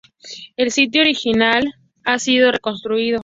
El sitio original ha sido reconstruido.